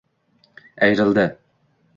Ayrildi…